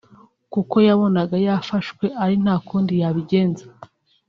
kuko yabonaga yafashwe ari nta kundi yabigenza